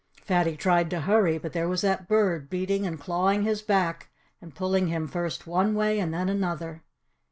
Fatty tried to hurry; but there was that bird, beating and clawing his back, and pulling him first one way and then another.